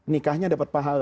nikahnya dapat pahala